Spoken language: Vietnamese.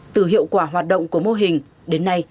từ hiệu quả hoạt động của mô hình đến nay